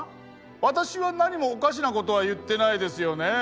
私は何もおかしなことは言ってないですよねえ？